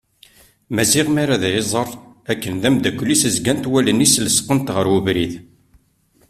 Maziɣ mi ara ad iẓer akken amddakel-is zgant wallen-is lesqent ɣer ubrid.